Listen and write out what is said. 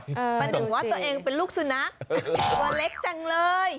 ประหนึ่งว่าตัวเองเป็นลูกสุนัขหรือว่าเล็กจังเลย